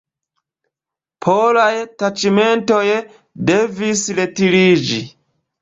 Polaj taĉmentoj devis retiriĝi.